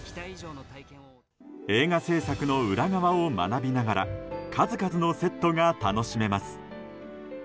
映画製作の裏側を学びながら数々のセットが楽しめます。